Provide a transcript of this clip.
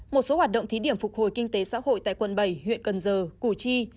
một số hoạt động thí điểm phục hồi kinh tế xã hội tại quận bảy huyện cần giờ củ chi